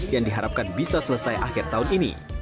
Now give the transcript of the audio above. yang diharapkan bisa selesai akhir tahun ini